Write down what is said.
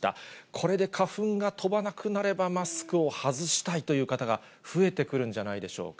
これで花粉が飛ばなくなればマスクを外したいという方が増えてくるんじゃないでしょうか。